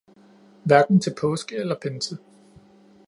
Hverken til påske eller pinse